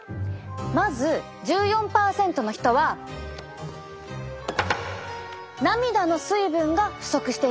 まず１４％の人は涙の水分が不足していました。